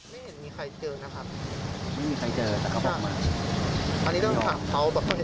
ไม่เห็นมีใครเจอนะครับไม่มีใครเจอแต่เขาบอกมาอันนี้เรื่องโทรศัพท์เขาแบบ